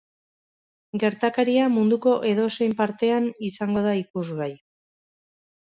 Gertakaria munduko edozein partean izango da ikusgai.